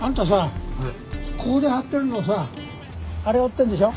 ここで張ってるのさあれ追ってんでしょ？